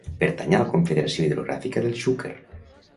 Pertany a la Confederació Hidrogràfica del Xúquer.